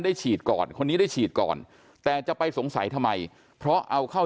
ฉีดก่อนคนนี้ได้ฉีดก่อนแต่จะไปสงสัยทำไมเพราะเอาเข้า